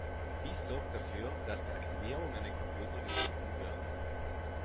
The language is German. Dies sorgt dafür, dass die Aktivierung an den Computer gebunden wird.